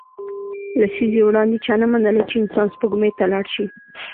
لسیزې وړاندې چا نه منله چې انسان سپوږمۍ ته لاړ شي